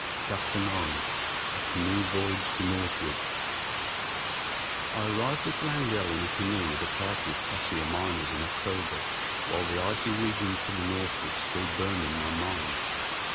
Chapter IX A Canoe Voyage to Northward I arrived at Wrangell in a canoe with a party of Cassiar miners in October while the icy regions to the northward still burned in my mind.